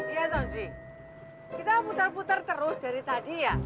iya donji kita putar putar terus dari tadi ya